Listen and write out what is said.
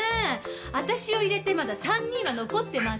私を入れてまだ３人は残ってます！